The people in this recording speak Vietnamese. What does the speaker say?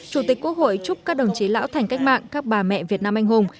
chủ tịch quốc hội chúc các đồng chí lão thành cách mạng các bà mẹ việt nam anh hùng